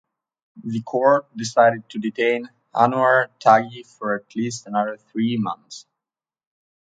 The court decided to detain Anouar Taghi for at least another three months.